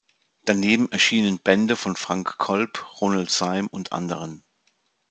Daneben erschienen Bände von Frank Kolb, Ronald Syme und anderen.